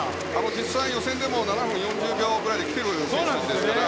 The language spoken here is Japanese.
実際、予選でも７分４０秒で来ている選手ですから。